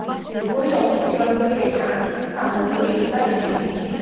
ორი ოფიციალური ენაა: სამოური და ინგლისური.